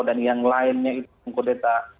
dan yang lainnya itu kodeta